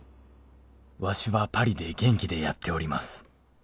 「わしはパリで元気でやっております」